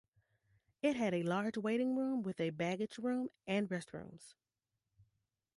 It had a large waiting room with a baggage room and restrooms.